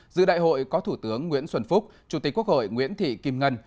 giữa đại hội có thủ tướng nguyễn xuân phúc chủ tịch quốc hội nguyễn thị kim ngân